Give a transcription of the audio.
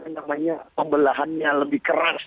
personalitinya biden itu memang lebih calm